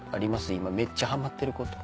今めっちゃハマってること。